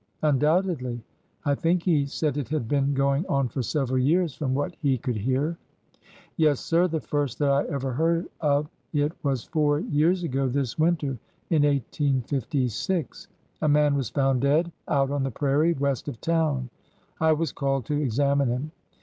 Undoubtedly. I think he said it had been going on for several years, from what he could hear." Yes, sir ; the first that I ever heard of it was four years ago this winter, in 1856. A man was found dead out on the prairie west of town. I was called to examine him.